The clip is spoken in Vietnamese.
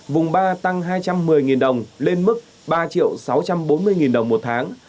vùng ba tăng hai trăm một mươi đồng lên mức ba sáu trăm bốn mươi đồng một tháng